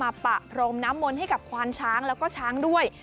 ปะพรมน้ำมนต์ให้กับควานช้างแล้วก็ช้างด้วย